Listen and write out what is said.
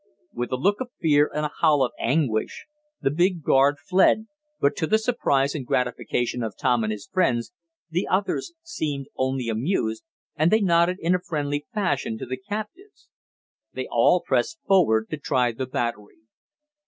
With a look of fear, and a howl of anguish, the big guard fled, but to the surprise and gratification of Tom and his friends the others seemed only amused, and they nodded in a friendly fashion to the captives. They all pressed forward to try the battery.